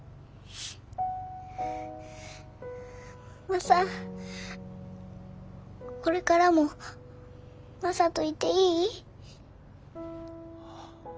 マサこれからもマサといていい？